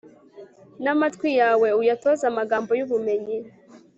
n'amatwi yawe uyatoze amagambo y'ubumenyi